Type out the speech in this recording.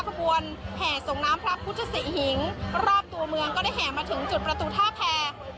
ขบวนแห่ส่งน้ำพระพุทธศิหิงรอบตัวเมืองก็ได้แห่มาถึงจุดประตูท่าแพร